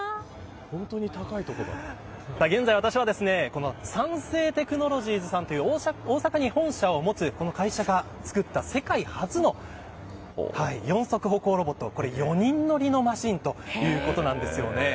現在、私は三精テクノロジーさんという大阪に本社を持つ会社が作った世界初の四足歩行ロボット４人乗りのマシンということなんですよね。